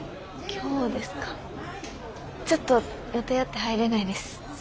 ちょっと予定あって入れないです。